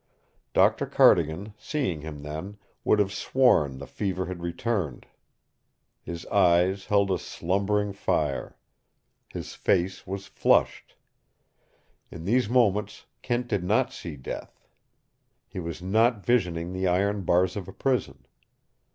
Doctor Cardigan, seeing him then, would have sworn the fever had returned. His eyes held a slumbering fire. His face was flushed. In these moments Kent did not see death. He was not visioning the iron bars of a prison.